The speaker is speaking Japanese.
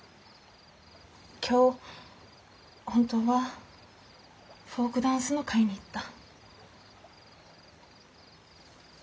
今日本当はフォークダンスの会に行った。